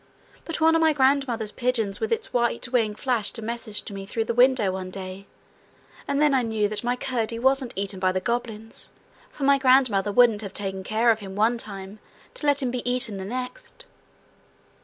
But one of my grandmother's pigeons with its white wing flashed a message to me through the window one day, and then I knew that my Curdie wasn't eaten by the goblins, for my grandmother wouldn't have taken care of him one time to let him be eaten the next.